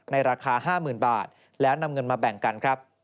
ในราคา๕๐๐๐๐บาทแล้วนำเงินมาแบ่งกัน